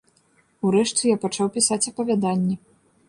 Урэшце я пачаў пісаць апавяданні.